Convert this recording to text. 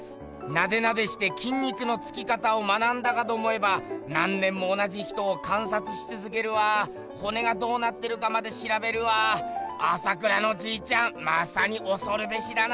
ナデナデして筋肉のつき方を学んだかと思えば何年も同じ人を観察しつづけるわ骨がどうなってるかまでしらべるわ朝倉のじいちゃんまさにおそるべしだなあ。